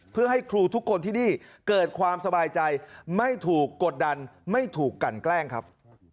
เพื่อให้ครูทุกคนที่นี่เกิดความสบายใจไม่ถูกกดดันไม่ถูกกันแกล้งครับ